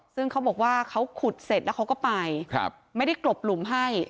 ซึ่งเขาบอกว่าเขาขุดเสร็จแล้วเขาก็ไปไม่ได้กลบหลุมให้